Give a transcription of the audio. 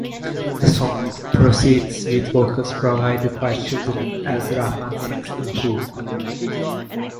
The song proceeds with vocals provided by children as Rahman sings the hook.